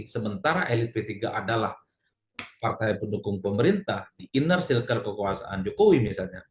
sementara elit p tiga adalah partai pendukung pemerintah di inner cilker kekuasaan jokowi misalnya